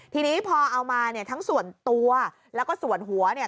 ทีนี้พอเอามาเนี่ยทั้งส่วนตัวแล้วก็ส่วนหัวเนี่ย